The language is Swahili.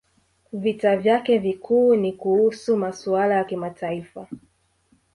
Vita vyake vikuu ni kuhusu masuala ya kimataifa